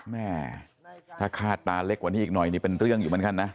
แม่ถ้าฆ่าตาเล็กกว่านี้อีกหน่อยนี่เป็นเรื่องอยู่เหมือนกันนะ